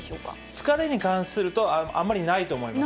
疲れに関すると、あんまりないと思います。